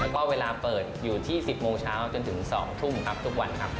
แล้วก็เวลาเปิดอยู่ที่๑๐โมงเช้าจนถึง๒ทุ่มครับทุกวันครับ